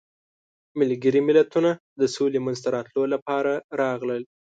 ملګري ملتونه د سولې منځته راتلو لپاره راغلل.